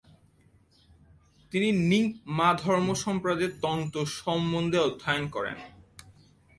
তিনি র্ন্যিং-মা ধর্মসম্প্রদায়ের তন্ত্র সম্বন্ধে অধ্যয়ন করেন।